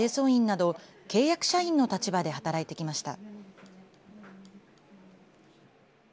ビルの清掃員など、契約社員の立場で働いてきました。